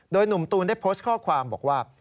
โดยหนุ่มตูนได้โพสต์ข้อความบอกว่า